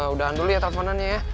udahan dulu ya teleponannya ya